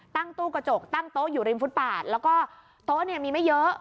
ตู้กระจกตั้งโต๊ะอยู่ริมฟุตปาดแล้วก็โต๊ะเนี่ยมีไม่เยอะ